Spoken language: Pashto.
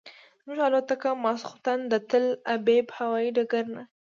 زموږ الوتکه ماسخوتن د تل ابیب هوایي ډګر نه.